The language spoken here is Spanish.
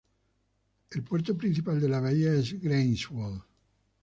El puerto principal de la bahía es Greifswald.